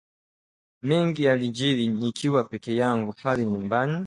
Mengi yalijiri nikiwa pekee yangu pale nyumbani